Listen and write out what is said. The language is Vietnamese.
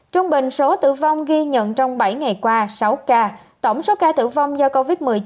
trung bình số tử vong ghi nhận trong bảy ngày qua sáu ca tổng số ca tử vong do covid một mươi chín